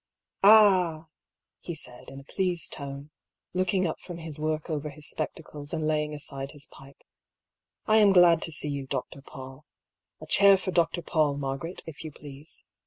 " Ah !" he said, in a pleased tone, looking up from his work over his spectacles and laying aside his pipe, " I am glad to see you. Dr. Paull. A chair for Dr. Paull, Margaret, if you please.